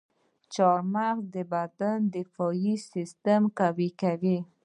چارمغز د بدن دفاعي سیستم قوي کوي.